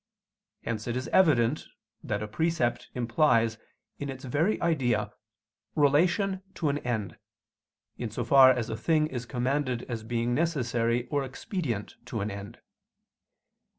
Hence it is evident that a precept implies, in its very idea, relation to an end, in so far as a thing is commanded as being necessary or expedient to an end.